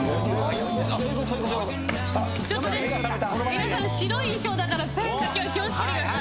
皆さん白い衣装だからペンだけは気を付けてください。